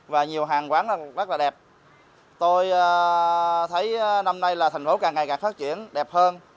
và nhiều hàng quán rất là đẹp tôi thấy năm nay là thành phố càng ngày càng phát triển đẹp hơn